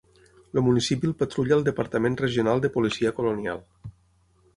El municipi el patrulla el Departament Regional de Policia Colonial.